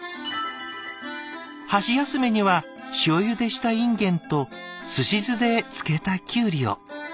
「箸休めには塩ゆでしたいんげんとすし酢で漬けたきゅうりを。